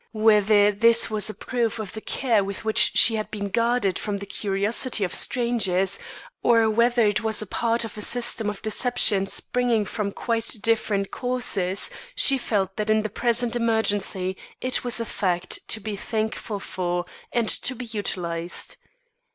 Whether this was a proof of the care with which she had been guarded from the curiosity of strangers, or whether it was part of a system of deception springing from quite different causes, she felt that in the present emergency it was a fact to be thankful for and to be utilised.